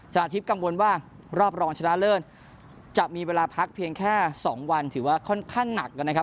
นาทิพย์กังวลว่ารอบรองชนะเลิศจะมีเวลาพักเพียงแค่๒วันถือว่าค่อนข้างหนักนะครับ